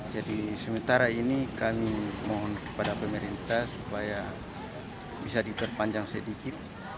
jadi sementara ini kami mohon kepada pemerintah supaya bisa diperpanjang sedikit